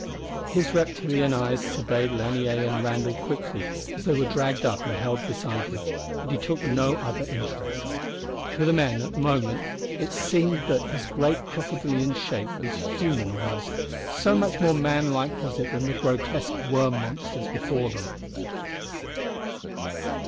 His reptilian eyes surveyed Lanier and Randall quickly as they were dragged up and held beside him, but he took no other interest. To the two men, at the moment, it seemed that his great crocodilian shape was human, almost, so much more man like was it than the grotesque worm monsters before them.